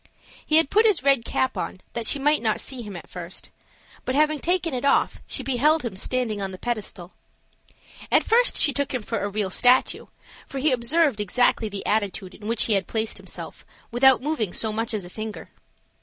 He had put his red cap on, that she might not see him at first; but having taken it off, she beheld him standing on the pedestal. At first she took him for a real statue, for he observed exactly the attitude in which he had placed himself, without moving so much as a finger.